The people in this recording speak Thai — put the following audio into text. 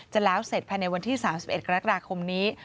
จะแล้วเสร็จภายในวันที่๓๑กรกฎาคมนี้